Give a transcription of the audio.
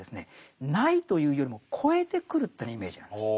「ない」というよりも「超えてくる」というようなイメージなんです。